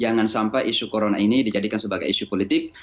jangan sampai isu corona ini dijadikan sebagai isu politik